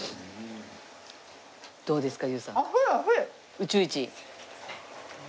宇宙一？